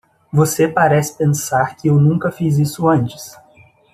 Você parece pensar que eu nunca fiz isso antes.